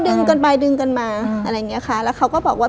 ดึงกันไปดึงกันมาอะไรอย่างเงี้ยค่ะแล้วเขาก็บอกว่า